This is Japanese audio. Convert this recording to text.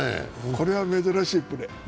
これは珍しいプレー。